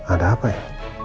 ada apa ya